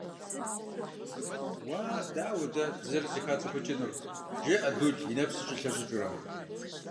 – Уа, дауэ дэ дызэрызэхацӀыхукӀынур? – жеӀэ Дул, и нэпсыр щӀилъэщӀыкӀыурэ.